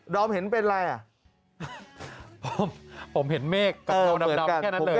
อมเห็นเป็นอะไรอ่ะผมผมเห็นเมฆกะเพราดำแค่นั้นเลย